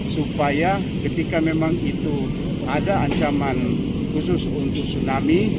supaya ketika memang itu ada ancaman khusus untuk tsunami